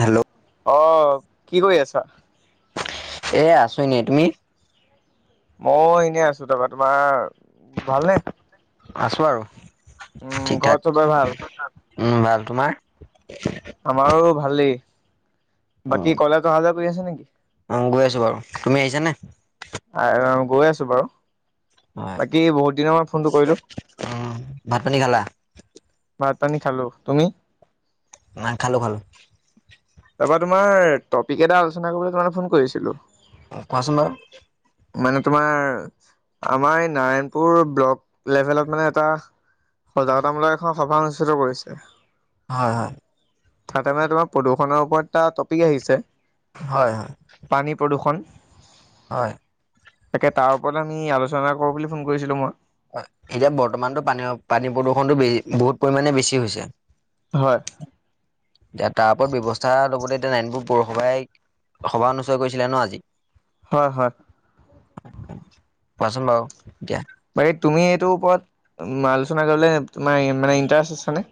Hello অ' কি কৰি আছা? এ আছোঁ এনেই তুমি? মও এনেই আছো, তাৰপৰা তোমাৰ ভালনে? আছো আৰু উম, ঠিক ঘৰত ঠাক। চবৰে ভাল উম ভাল, তোমাৰ? আমাৰো ভালেই, বাকী কলেজ অহা যোৱা কৰি আছা নেকি? অঁ গৈ আছো বাৰু, তুমি আহিছা নে? আৰু আ গৈ আছো বাৰু, বাকী বহুত দিনৰ মূৰত ফোনটো কৰিলো। অঁ ভাত পানী খালা? ভাত পানী খালো, তুমি? ভাত খালো খালো। তাপা তোমাৰ টপিক এটা আলোচনা কৰিবলৈ তোমালে ফোন কৰিছিলো। অঁ, কোৱাছোন বাৰু। মানে তোমাৰ আমাৰ এই নাৰায়ণপুৰ ব্লক লেবেলত মানে এটা সজাগতা মূলাক এখন সভা অনুষ্ঠিত কৰিছে। হয় হয়। তাতে মানে তোমাৰ প্ৰদূষণৰ ওপৰত এটা টপিক আহিছে। হয় হয়। পানী প্ৰদূষণ। হয়। তাকে তাৰ ওপৰত আমি আলোচনা কৰো বুলি ফোন কৰিছিলো মই। হয় এতিয়া বৰ্তমানতো পানীৰ পানী প্ৰদূষণতটো বে বহুত পৰিমাণে বেছি হৈছে। হয়। এতিয়া তাৰ ওপৰত ব্যৱস্থা ল'বলৈ এতিয়া নাৰায়ণপুৰ পৌৰসভাই সভা অনুস্থিত কৰিছিলে ন' আজি। হয় হয়। কোৱাচোন বাৰু এতিয়া। বাকী তুমি এইটোৰ ওপৰত মান আলোচনা কৰিবলে তোমাৰ মানে ইণ্টাৰেষ্ট আছানে?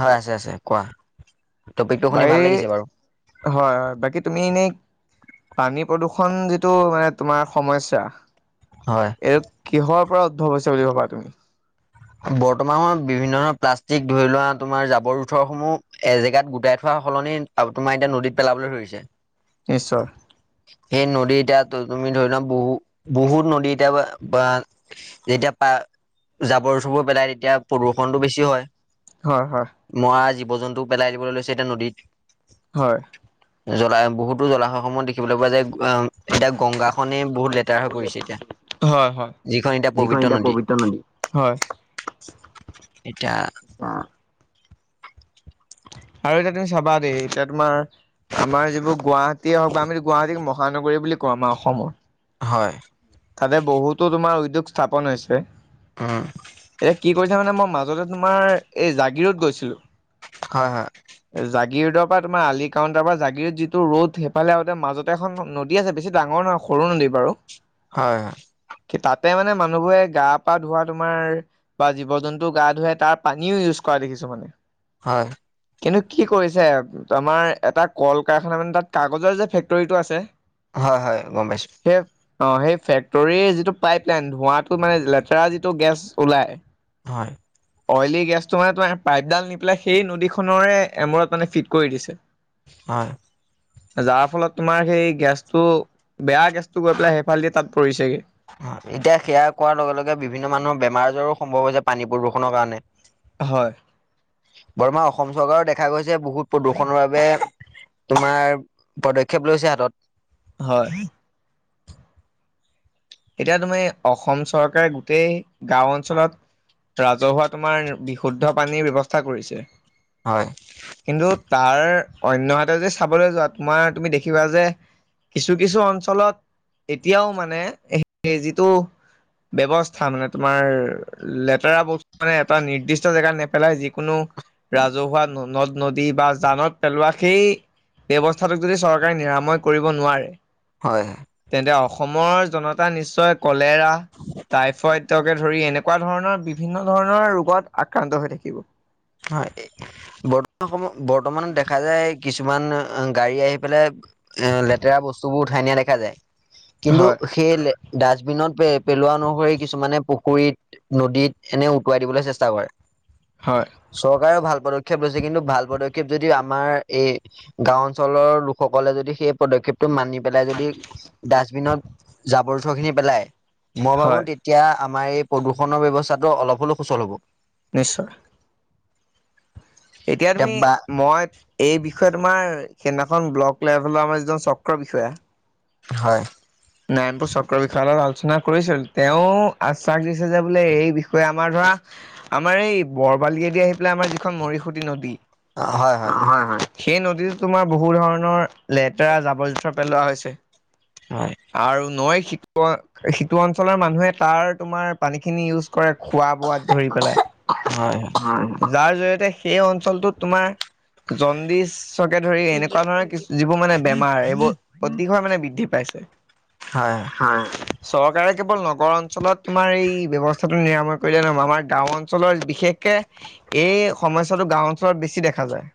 হয় আছে আছে কোৱা। টপিকটো শুনি বাৰী ভাল লাগিছে বাৰু হয় হয় বাকী তুমি এনেই, পানী প্ৰদূৰ্ষণ যিটো মানে তোমাৰ সমস্যা। হয়। এইটো কিহৰ পৰা উদ্ভৱ হৈছে বুলি ভাবা তুমি? বৰ্তমান সময়ত বিভিন্ন ধৰণৰ প্লাষ্টিক ধৰি লোৱা তোমাৰ জাবৰ জোথৰ সমূহ এজেগাত গোটাই থোৱা সলনি আব তোমাৰ এতিয়া নদীত পেলাবলৈ ধৰিছে। নিশ্চয়। সেই নদী এতিয়া ত তুমি ধৰি লোৱা বহু বহুত নদী এতিয়া বা, বা যেতিয়া পা জাবৰ জোথৰ বোৰ পেলায় তেতিয়া প্ৰদূ্ষণটো বেছি হয়। হয়, হয়, মৱা জীৱ জন্তুও পেলাই দিবলৈ লৈছে এতিয়া নদীত। হয়। জ্বলাই বহুতো জলাশয় সমূহ দেখিবলৈ পোৱা যায় অ' এতিয়া গংগাখনেই বহুত লেতেৰা হৈ পৰিছে এতিয়া। হয়-হয়। যিখন এতিয়া পবিত্ৰ নদী। হয়! এতিয়া আৰু এইকেইদিন চাবা দেই এতিয়া তোমাৰ আমাৰ যিবোৰ গুৱাহাটীয়ে হওক বা আমি গুৱাহাটীক মহানগৰী বুলি কওঁ আমাৰ অসমৰ। হয়। তাতে বহুতো তোমাৰ উদ্যোগ স্থাপন হৈছে। উম! এ কি কৰিছা মানে মই মাজতে তোমাৰ এই জাগিৰোদ গৈছিলোঁ। হয়-হয়। জাগিৰোদৰ পৰা তোমাৰ আলি কাউণ্টাৰ পৰা জাগিৰোদ যিটো ৰোদ সেইফালেতে মাজতে এখন নদী আছে বেছি ডাঙৰ নহয় সৰু নদী বাৰু। হয়-হয়! তাতে মানে মানুহবোৰে গা পা ধোৱা তোমাৰ বা জীৱ-জন্তু গা ধুৱাই তাৰ পানীও ইউজ কৰা দেখিছো মানে। হয়। কিন্তু কি কৰিছে আমাৰ এটা কল-কাৰখানা মানে তাত কাগজৰ যে ফেক্টৰীটো আছে। হয়-হয়, গম পাইছোঁ। সেই অঁ! সেই ফেক্টৰীৰ যিটো পাইপলাইন, ধোৱাটো মানে লেতেৰা যিটো গেছ ওলাই। হয়। অইলী গেছটো মানে তোমাৰ পাইপডাল নি পেলাই সেই নদীখন পুনৰে এমূৰত মানে ফিট কৰি দিছে। হয়। যাৰ ফলত তোমাৰ সেই গেছটো বেয়া গেছটো গৈ পেলাই সেইফালেদি তাত পৰিছেগে। এতিয়া সেয়া কৰাৰ লগে-লগে বিভিন্ন মানুহৰ বেমাৰ আজাৰো সম্ভৱ হৈছে পানী প্ৰদূষণৰ কাৰণে। হয়। বৰ্তমান অসম চৰকাৰৰ দেখা গৈছে বহুত প্ৰদূষণৰ বাবে তোমাৰ পদক্ষেপ লৈছে হাতত। হয়। এতিয়া তুমি অসম চৰকাৰে গোটেই গাঁও অঞ্চলত ৰাজহুৱা তোমাৰ বিশুদ্ধ পানীৰ ব্যৱস্থা কৰিছে। হয়। কিন্তু তাৰ অন্যহাতে যদি চাবলৈ যোৱা তোমাৰ তুমি দেখিবা যে কিছু-কিছু অঞ্চলত এতিয়াও মানে সেই যিটো ব্যৱস্থা মানে তোমাৰ লেতেৰা বস্তু মানে এটা নিৰ্দিষ্ট জেগাত নেপেলাই যিকোনো ৰাজহুৱা নদ-নদী বা জানত পেলোৱা সেই ব্যৱস্থাটোক যদি চৰকাৰে নিৰাময় কৰিব নোৱাৰে হয়। তেন্তে অসমৰ জনতা নিশ্চয় কলেৰা, টাইফইডকে ধৰি এনে এনেকুৱা ধৰণৰ বিভিন্ন ধৰণৰ ৰোগত আক্ৰান্ত হৈ থাকিব। হয়-হয়, বৰ্তমানত দেখা যায় কিছুমান গাড়ী আহি পেলাই এ লেতেৰা বস্তুবোৰ উঠাই নিয়া দেখা যায়, কিন্তু হয় সেই ডাষ্টবিনত পেলোৱা অনুসৰি কিছুমানে পুখুৰীত নদীত এনে উটুৱাই দিবলৈ চেষ্টা কৰে। হয়। চৰকাৰেও ভাল পদক্ষেপ লৈছে কিন্তু ভাল পদক্ষেপ যদি আমাৰ এই গাঁও অঞ্চলৰ লোকসকলে যদি সেই পদক্ষেপটো মানি যদি ডাষ্টবিনত জাবৰ জোথৰ খিনি পেলাই। মই ভাবো হয় তেতিয়া আমাৰ এই প্ৰদূষণৰ ব্যৱস্থাটো অলপ হলেও সুচল হ'ব। নিশ্চয়। এতিয়া তুমি, মই এই বিষয়ে তোমাৰ সেইদিনাখন ব্লক লেভেলৰ আমাৰ যিজন চক্ৰ বিষয়া হয়। নাৰায়ণপুৰ চক্ৰ বিষয়া লগত আলোচনা কৰিছিল তেওঁ আশ্বাস দিছে যে বোলে এই বিষয়ে আমাৰ ধৰা আমাৰ এই বৰবালিদি আহি পেলাই আমাৰ যিখন মৰিসুটি নদী হয় হয়। সেই নদীত তোমাৰ বহু ধৰণৰ লেতেৰা জাবৰ জোথৰ পেলোৱা হৈছে। হয়। আৰু নৈৰ সিটো অঞ্চলৰ মানুহে তাৰ তোমাৰ পানীখিনি ইউজ কৰে খোৱা বোৱাত ধৰি পেলাই। হয়। যাৰ জৰিয়তে সেই অঞ্চলটোত তোমাৰ জণ্ডিছ কে ধৰি এনেকুৱা ধৰণৰ কিছু যিবোৰ মানে বেমাৰ এইবোৰ অতিশয় মানে বৃদ্ধি পাইছে। হয়। উম, চৰকাৰে কেৱল নগৰ অঞ্চলত তোমাৰ এই ব্যৱস্থাটো নিৰাময় কৰিলে নহব আমাৰ গাঁও অ ঞ্চলৰ বিশেষকে এই সমস্যাটো গাঁও অঞ্চলত বেছি দেখা যায়।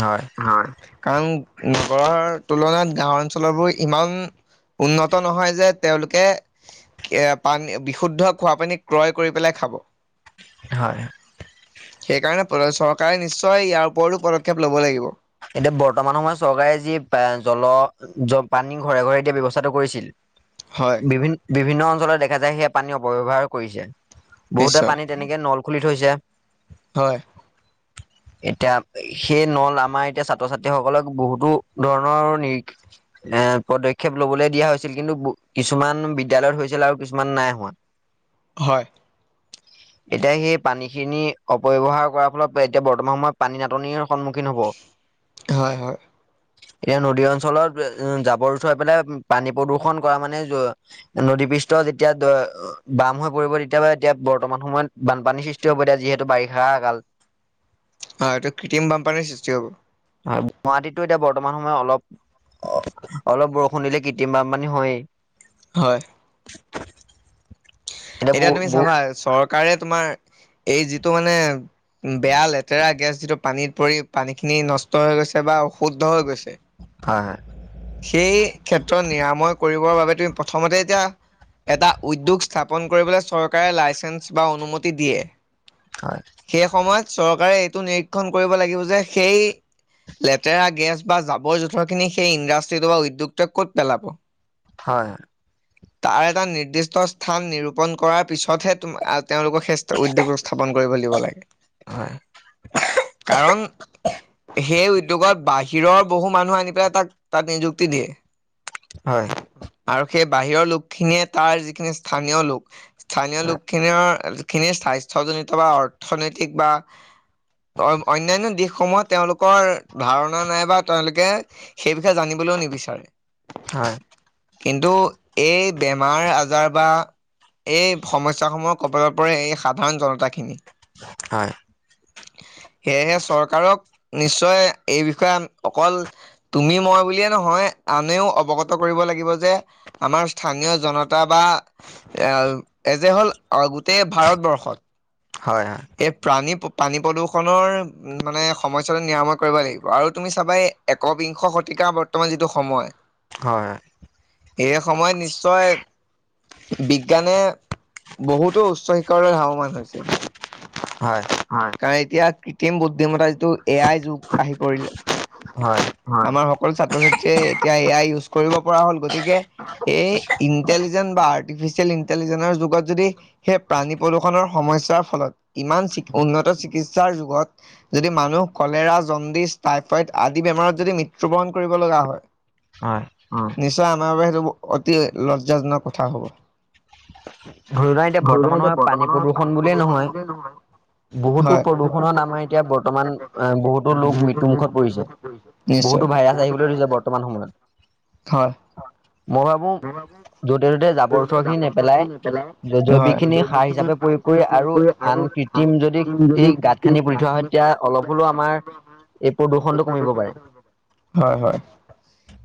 হয়। হয়। কাৰণ নগৰৰ তুলনাত গাঁও অঞ্চলবোৰ ইমান উন্নত নহয় যে তেওঁলোকে এ, পানী বিশুদ্ধ খোৱা পানী ক্ৰয় কৰি পেলাই খাব। হয়। সেইকাৰণে চৰকাৰে নিশ্চয় ইয়াৰ ওপৰতো পদক্ষেপ লব লাগিব। এতিয়া বৰ্তমান সময়ত চৰকাৰে যি জলৰ পানী ঘৰে ঘৰে দিয়া ব্যৱস্থাটো কৰিছিল হয়। বিভিন্ন অঞ্চলত দেখা যায় সেয়া পানী অপব্যৱহাৰ কৰিছে। বহুতে নিশ্চয় পানী তেনেকে নল খুলি থৈছে। হয় এতিয়া সেই নল আমাৰ এতিয়া ছাত্ৰ ছাত্ৰীসকলক বহুতো ধৰণৰ নিৰিখ এ, পদক্ষেপ লবলৈ দিয়া হৈছিল কিন্তু কিছুমান বিদ্যয়ালয়ত হৈছিল আৰু কিছুমানত নাই হোৱা। হয়। এতিয়া সেই পানীখিনি অপব্যৱহাৰ কৰাৰ ফলত এতিয়া বৰ্তমান সময়ত পানী নাটনিৰ সন্মুখীন হ'ব। হয় হয়। এতিয়া নদী অঞ্চলত জাবৰ জুথৰ পেলাই পানী প্ৰদূষন কৰা মানে নদি পৃষ্ঠ যেতিয়া দ বাম হৈ পৰিব তেতিয়াবা এতিয়া বৰ্তমান সময়ত বানপানী সৃষ্টি হব এতিয়া যিহেতু বাৰিষাৰ কাল। হয় এইটো কৃত্ৰিম বানপানীৰ সৃষ্টি হ'ব। হয়। গুৱাহাটীতো এতিয়া বৰ্তমান সময়ত অলপ অ, অলপ বৰষুণ দিলে কৃত্ৰিম বানপানি হয়েই। হয়। এতিয়া বহু তুমি বহু চাবা চৰকাৰে তোমাৰ, এই যিটো মানে বেয়া লেতেৰা গেছ, যিটো পানীত পৰি পানীখিনি নষ্ট হৈ গৈছে বা অশুদ্ধ হৈ গৈছে। হয়, হয়। সেই ক্ষেত্ৰ নিৰাময় কৰিবৰ বাবে, তুমি প্ৰথমতে এতিয়া এটা উদ্যোগ স্থাপন কৰিবলৈ চৰকাৰে লাইচেন্স বা অনুমতি দিয়ে। হয়। সেই সময়ত চৰকাৰে এইটো নিৰীক্ষণ কৰিব লাগিব যে সেই লেতেৰা গেছ বা জাবৰ জোঁথৰখিনি সেই ইণ্ডাষ্ট্ৰিটো বা উদ্যোগটোৱে ক'ত পেলাব? হয়। তাৰ এটা নিৰ্দিষ্ট স্থান নিৰূপন কৰাৰ পিছতহে, তুমা তেওঁলোক সেই স্থা উদ্যোগবোৰ স্থাপন কৰিব দিব লাগে। হয় কাৰণ সেই উদ্যোগত বাহিৰৰ, বহু মানুহ আনি পেলাই তাক তাত নিযুক্তি দিয়ে। হয়। আৰু সেই বাহিৰৰ লোক খিনিয়ে তাৰ যিখিনি স্থানীয় লোক, স্থানীয় হয় লোকখিনিৰ খিনিৰ স্বাস্থ্য জনিত বা অৰ্থনৈতিক বা অন্যান্য দিশসমূহত, তেওঁলোকৰ ধাৰণা নাইবা তেওঁলোকে সেই বিষয়ে জানিবলৈও নিবিচাৰে। হয়। কিন্তু, এই বেমাৰ আজাৰ বা এই সমস্যাসমূহক [inaudible] পৰে এই সাধাৰণ জনতাখিনি। হয়। সেয়েহে চৰকাৰক নিশ্চয়, এই বিষয়ে অকল তুমি মই বুলিয়ে নহয়, আনেও অৱগত কৰিব লাগিব যে আমাৰ স্থানীয় জনতা বা এযে হ'ল গোটেই ভাৰতবৰ্ষত। হয় হয়। এই প্ৰাণী, পানী প্ৰদূষণৰ মানে সমস্যাটো নিৰাময় কৰিব লাগিব আৰু তুমি চাবা এই একবিংশ শতিকা, বৰ্তমান যিটো সময় হয় হয়। এই সময়, নিশ্চয় বিজ্ঞানে বহুতো উচ্চ শিক্ষৰে লাভমান হৈছে। হয়। কাৰণ এতিয়া কৃত্ৰিম বুদ্ধিমতা যিটো এ, আই, যুগ আহি পৰিলে। হয়। আমাৰ সকলো ছাত্ৰ-ছাত্ৰীয়ে এতিয়া এ, আই, ইউজ কৰিব পৰা হ'ল গতিকে এই ইনতে বা আৰ্টিফিচিয়েল ইণ্টেলিজেন্ঞ্চৰ যুগত যদি, সেই পানী প্ৰদূষণৰ সমস্যাৰ ফলত ইমান চি, উন্নত চিকিৎসাৰ যুগত যদি মানুহ কলেৰা, জণ্ডিছ, টাইফইড আদি বেমাৰত যদি মৃত্যুবৰণ কৰিব লগা হয়। হয়। নিশ্চয় আমাৰ বাবে সেইটো, অতি লজ্জাজনক কথা হ'ব। ধৰি লোৱা এতিয়া [inaudible] বৰ্তমানৰ প্ৰদূষণ পানী প্ৰদূষণ নহয় বুলিয়ে নহয় বহুতো হয়, প্ৰদূষণত আমাৰ এতিয়া বৰ্তমান বহুতো লোক মৃত্যুমুখত পৰিছে [unintelligible] বহুতো নিশ্চয় ভাইৰাছ আহিবলৈ ধৰিছে বৰ্তমান সময়ত [unintelligible] হয় মই ভাবো য'তে ত'তে জাবৰ চাবৰ খিনি নেপেলাই হয় জৈৱিকখিনি সাৰ হিচাপে প্ৰয়োগ কৰি আৰু আন কৃত্ৰিম যদি এই গাত খান্দি পুতি থোৱা হয় তেতিয়া অলপ হলেও আমাৰ হয় এই প্ৰদূষণটো কমিব পাৰে। হয় হয়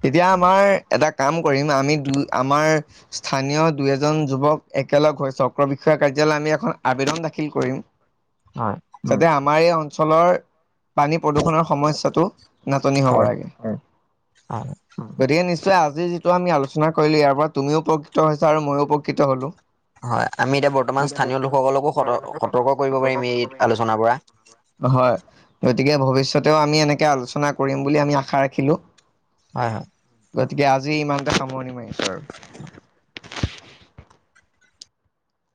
তেতিয়া আমাৰ এটা কাম কৰিম আমি দু আমাৰ স্থানীয় দুই এজন যুৱক একেলগ হৈ চক্ৰ বিষয়া কাৰ্যালয় আমি এখন আবেদন দাখিল কৰিম। [inaudible] হয় যাতে আমাৰ এই অঞ্চলৰ পানী প্ৰদূষণৰ সমস্যাটো নাটনি হ'ব হয় লাগে। অ গতিকে নিশ্চয় আজি যিটো আমি আলোচনা চনা কৰিলো ইয়াৰ পৰা তুমিও উপকৃত হৈছা আৰু ময়ো উপকৃত হ'লো। হয় আমি এতিয়া বৰ্তমান স্থানীয় লোকসকলকো সত সতৰ্ক কৰিব পাৰিম এই আলোচনাৰ পৰা। হয় গতিকে ভৱিষ্যতেও আমি এনেকে আলোচনা কৰিম বুলি আমি আশা ৰাখিলো। হয় হয় গতিকে আজি ইমানতে সামৰণি মাৰিছো আৰু।